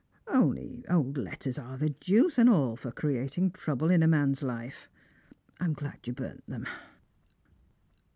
Only old letters are the deuce and all for creating trouble in a man's life. I'm glad you burnt 'em."